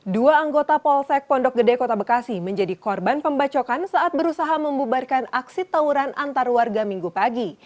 dua anggota polsek pondok gede kota bekasi menjadi korban pembacokan saat berusaha membubarkan aksi tawuran antar warga minggu pagi